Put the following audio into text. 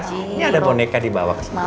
ini ada boneka dibawa kesana